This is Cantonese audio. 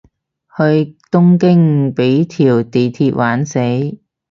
去東京畀條地鐵玩死